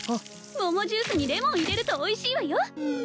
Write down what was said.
桃ジュースにレモン入れるとおいしいわよ